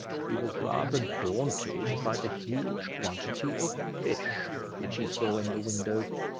He was rather daunted by the huge quantity of fish which he saw in the window.